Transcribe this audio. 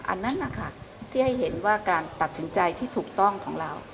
อันนั้นนะคะที่ให้เห็นว่าการตัดสินใจที่ถูกต้องของเรา